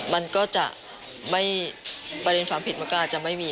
มันก็จะไม่ประเด็นความผิดมันก็อาจจะไม่มี